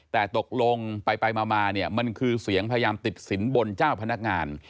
แต่ตกลงไปมาเนี่ยมันคือเสียงพยายามติดสินบนเจ้าพนักงาน